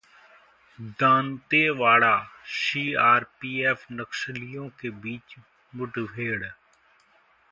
दंतेवाड़ा: सीआरपीएफ-नक्सलियों के बीच मुठभेड़